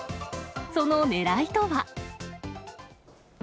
そのねらいとは。